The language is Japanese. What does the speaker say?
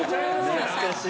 懐かしい。